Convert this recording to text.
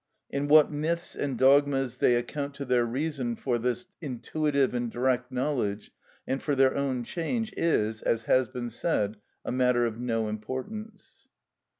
In what myths and dogmas they account to their reason for this intuitive and direct knowledge and for their own change is, as has been said, a matter of no importance.